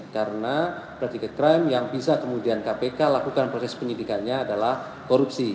karena pratika krim yang bisa kemudian kpk lakukan proses penyidikannya adalah korupsi